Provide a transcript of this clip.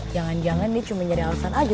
jangan jangan dia cuma nyari alasan aja